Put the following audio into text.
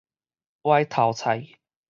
歪頭菜